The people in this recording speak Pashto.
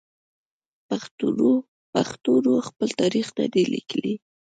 پښتنو خپل تاریخ نه دی لیکلی.